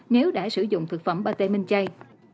nếu đã sử dụng thực phẩm anbate minh chay